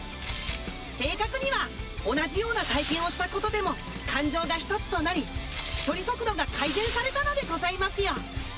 正確には同じような体験をしたことでも感情がひとつとなり処理速度が改善されたのでございますよ。